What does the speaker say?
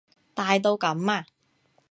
大到噉啊？